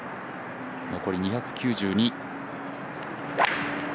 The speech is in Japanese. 残り２９２。